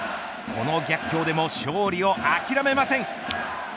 この逆境でも勝利を諦めません。